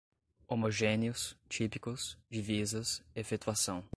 homogêneos, típicos, divisas, efetuação